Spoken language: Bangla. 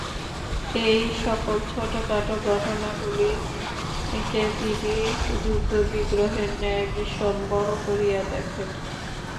এই সকল ছোটোখাটো ঘটনাগুলিকে তিনি যুদ্ধবিগ্রহের ন্যায় বিষম বড়ো করিয়া দেখেন।